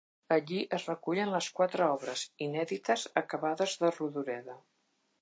Allí es recullen les quatre obres inèdites acabades de Rodoreda.